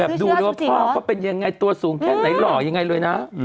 แบบดูแล้วพ่อก็เป็นอย่างไรตัวสูงแค่ไหนหรอกอย่างไรเลยนะหรือ